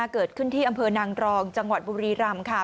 เกิดขึ้นที่อำเภอนางรองจังหวัดบุรีรำ